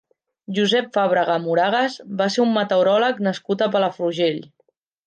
Josep Fàbrega Moragas va ser un meteoròleg nascut a Palafrugell.